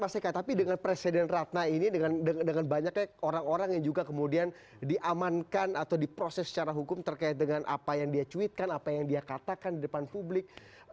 mas eka tapi dengan presiden ratna ini dengan banyaknya orang orang yang juga kemudian diamankan atau diproses secara hukum terkait dengan apa yang dia cuitkan apa yang dia katakan di depan publik